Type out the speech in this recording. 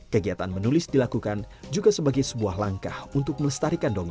kegiatan menulis dilakukan juga sebagai sebuah langkah untuk melestarikan dongeng